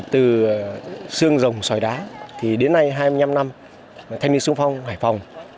từ xương rồng xoài đá đến nay hai mươi năm năm thanh niên xuân phong hải phòng